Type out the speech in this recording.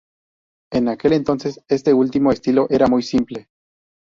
En aquel entonces, este último estilo era muy simple.